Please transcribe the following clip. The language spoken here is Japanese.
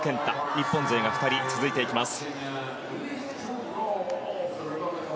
日本勢が２人続きます。